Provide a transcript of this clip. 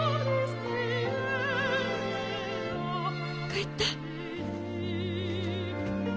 帰った？